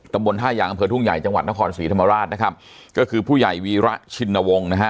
ตำบลท่ายางอำเภอทุ่งใหญ่จังหวัดนครศรีธรรมราชนะครับก็คือผู้ใหญ่วีระชินวงศ์นะฮะ